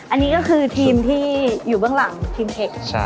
อันนี้ก็คือทีมที่อยู่เบื้องหลังทีมเทค